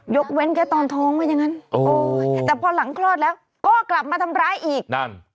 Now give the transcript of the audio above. เว้นแค่ตอนท้องว่าอย่างนั้นแต่พอหลังคลอดแล้วก็กลับมาทำร้ายอีกนั่น